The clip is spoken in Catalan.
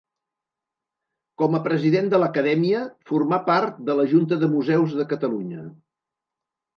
Com a president de l'Acadèmia formà part de la Junta de Museus de Catalunya.